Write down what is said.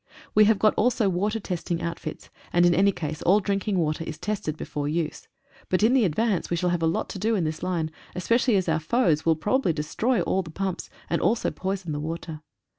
We have got also water testing outfits, and in any case all drinking water is tested before use, but in the advance we shall have a lot to do in this line, especially as our foes will probably destroy all the pumps, and also poison the water.